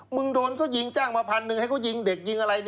โดนเขายิงจ้างมาพันหนึ่งให้เขายิงเด็กยิงอะไร